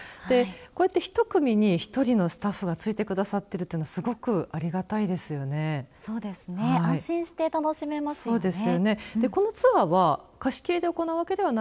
こうして１組に１人のスタッフがついてくださっているというのはすごく、ありがたいですよね。